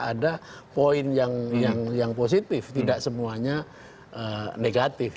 ada poin yang positif tidak semuanya negatif